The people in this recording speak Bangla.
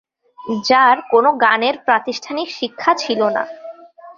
যার কোনো গানের প্রাতিষ্ঠানিক শিক্ষা ছিল না।